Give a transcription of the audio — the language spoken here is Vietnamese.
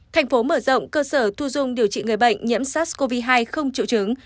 thành phố mở rộng cơ sở thu dung điều trị người bệnh nhiễm sars cov hai không triệu chứng